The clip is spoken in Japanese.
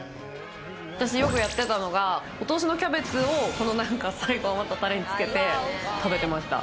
私よくやってたのがお通しのキャベツを最後余ったタレにつけて食べてました。